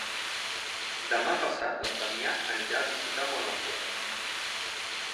Demà passat en Damià anirà a visitar mon oncle.